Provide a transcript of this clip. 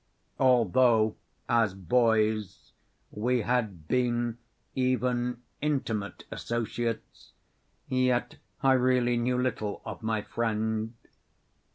Although, as boys, we had been even intimate associates, yet I really knew little of my friend.